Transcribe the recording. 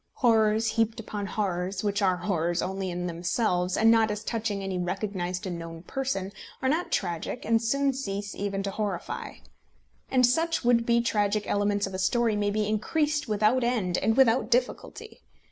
Horrors heaped upon horrors, and which are horrors only in themselves, and not as touching any recognised and known person, are not tragic, and soon cease even to horrify. And such would be tragic elements of a story may be increased without end, and without difficulty.